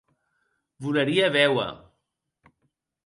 Voleria béuer.